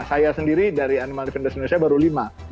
saya sendiri dari animal defenders indonesia baru lima